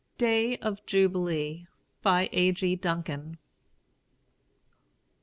DAY OF JUBILEE. BY A. G. DUNCAN.